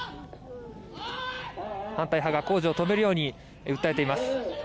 反対派が、工事を止めるように訴えています。